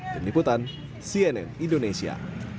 peniputan cnn indonesia